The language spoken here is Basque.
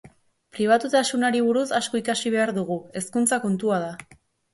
Pribatutasunari buruz asko ikasi behar dugu, hezkuntza kontua da.